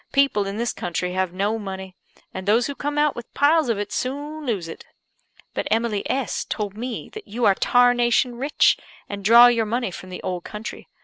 people in this country have no money; and those who come out with piles of it, soon lose it. But Emily S told me that you are tarnation rich, and draw your money from the old country.